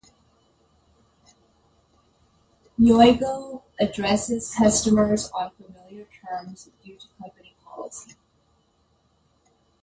Yoigo addresses customers on familiar terms due to company policy.